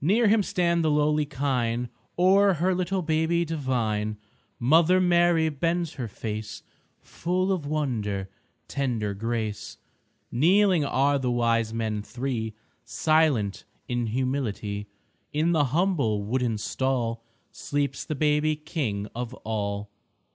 Near Him stand the lowly kine, O'er her little babe divine Mother Mary bends her face Full of wonder, tender grace. Kneeling are the Wise Men Three, Silent in humility. In the humble wooden stall Sleeps the baby King of all.